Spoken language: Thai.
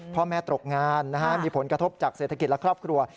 พ่อแม่ตกงานมีผลกระทบจากเศรษฐกิจและครอบครัว